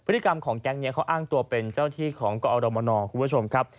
พฤติกรรมของแก๊งนี้เขาอ้างตัวเป็นเจ้าที่ของกอรมนคุณผู้ชมครับ